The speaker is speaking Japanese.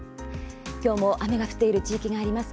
今日も雨が降っている地域があります。